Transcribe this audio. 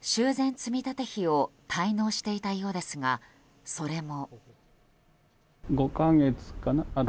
積立費を滞納していたようですがそれも。